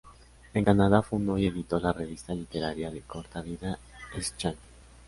En Canadá fundó y editó la revista literaria -de corta vida- "Exchange"".